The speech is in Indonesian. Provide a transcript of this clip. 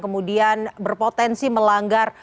kemudian berpotensi melanggar